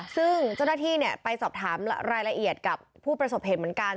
ซึ่งเจ้าหน้าที่ไปสอบถามรายละเอียดกับผู้ประสบเหตุเหมือนกัน